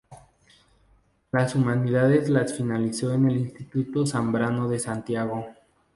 Las humanidades las finalizó en el Instituto Zambrano de Santiago.